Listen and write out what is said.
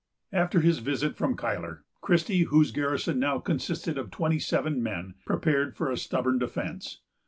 After his visit from Cuyler, Christie, whose garrison now consisted of twenty seven men, prepared for a stubborn defence.